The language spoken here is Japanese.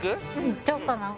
いっちゃおうかな